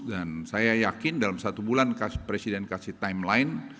dan saya yakin dalam satu bulan presiden kasih timeline